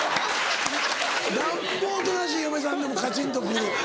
なんぼおとなしい嫁さんでもカチンとくる。